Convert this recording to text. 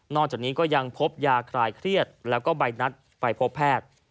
จากนี้ก็ยังพบยาคลายเครียดแล้วก็ใบนัดไปพบแพทย์